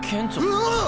うわっ！